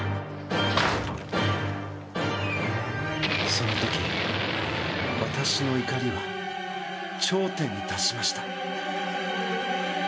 その時、私の怒りは頂点に達しました。